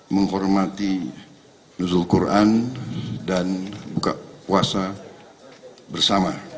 menghormati nuzul quran dan buka puasa bersama